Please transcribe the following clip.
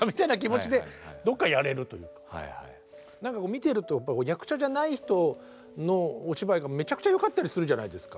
見てると役者じゃない人のお芝居がめちゃくちゃよかったりするじゃないですか。